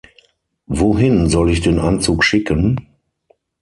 Wohin soll ich den Anzug schicken?